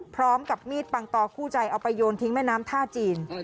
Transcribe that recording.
พร้อมกับมีดปังตอคู่ใจเอาไปโยนทิ้งแม่น้ำท่าจีน